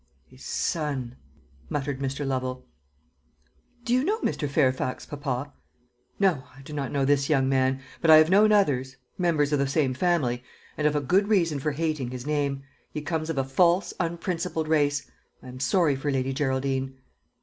"His son!" muttered Mr. Lovel. "Do you know Mr. Fairfax, papa?" "No, I do not know this young man. But I have known others members of the same family and have a good reason for hating his name. He comes of a false, unprincipled race. I am sorry for Lady Geraldine."